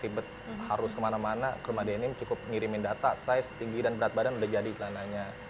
tiba tiba harus kemana mana ke rumah denim cukup ngirimin data size tinggi dan berat badan udah jadi celananya